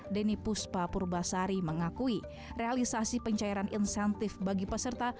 deni puspa purbasari mengakui realisasi pencairan insentif bagi peserta